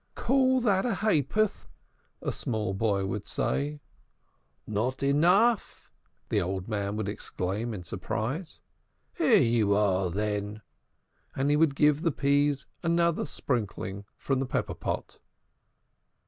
"Call that a ay puth?" a small boy would say. "Not enough!" the old man would exclaim in surprise. "Here you are, then!" And he would give the peas another sprinkling from the pepper pot.